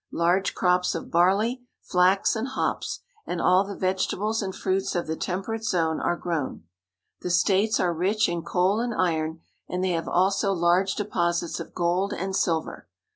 Large crops of barley, flax, and hops, and all the vegetables and fruits of the temperate zone are grown. The states are rich in coal and iron, and they have also large deposits of gold and silver.